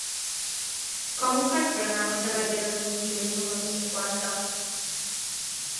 Com ho faig per anar a la carretera de Montjuïc número cinquanta?